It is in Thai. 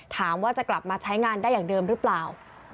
ถามว่าจะกลับมาใช้งานได้อย่างเดิมหรือเปล่า